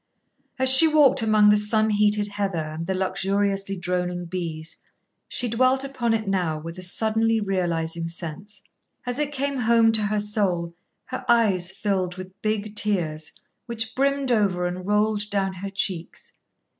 As she walked among the sun heated heather and the luxuriously droning bees, she dwelt upon it now with a suddenly realising sense. As it came home to her soul, her eyes filled with big tears, which brimmed over and rolled down her cheeks.